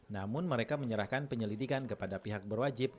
namun mereka menyerahkan penyelidikan kepada pihak berwajib